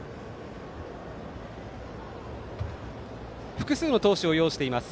複数の投手を擁しています。